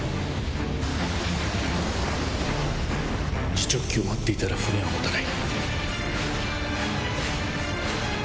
次直機を待っていたら船は持たない